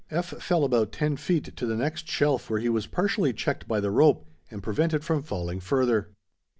F. fell about ten feet to the next shelf where he was partially checked by the rope and prevented from falling farther.